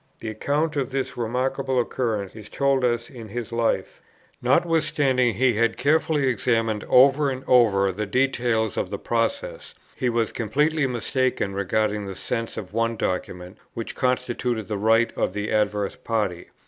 The account of this remarkable occurrence is told us in his Life: "Notwithstanding he had carefully examined over and over the details of the process, he was completely mistaken regarding the sense of one document, which constituted the right of the adverse party.